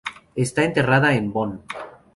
Está enterrada en Bonn.